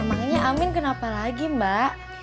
emangnya amin kenapa lagi mbak